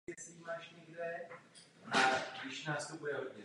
Přeji předsednictví v příštích šesti měsících mnoho štěstí.